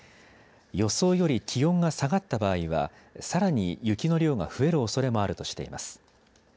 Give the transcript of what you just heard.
予想より気温が下がった場合はさらに雪の量が増えるおそれもあるとしています。